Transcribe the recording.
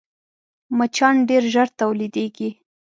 مچان ډېر ژر تولیدېږي